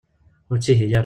Ur ttihiy ara.